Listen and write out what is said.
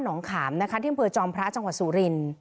น้องขามที่เมืองจอมพระจังหวัดสุริน